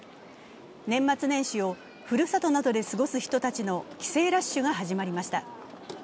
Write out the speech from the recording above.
年末年始をふるさとなどで過ごす人たちの帰省ラッシュが始まりました。